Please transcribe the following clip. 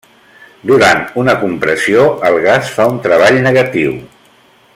Durant una compressió el gas fa un treball negatiu.